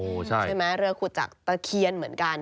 ก็จะมีพวกเรือขุดจากตะเคียนเหมือนกัน